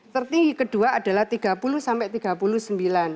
tertinggi kedua adalah tiga puluh sampai tiga puluh sembilan